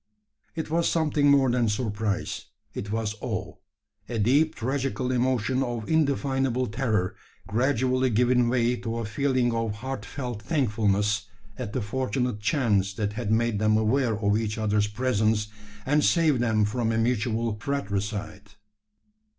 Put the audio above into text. It was something more than surprise it was awe a deep tragical emotion of indefinable terror, gradually giving way to a feeling of heartfelt thankfulness, at the fortunate chance that had made them aware of each other's presence, and saved them from a mutual fratricide.